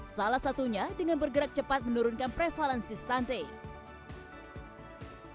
salah satunya dengan bergerak cepat menurunkan prevalensi stunting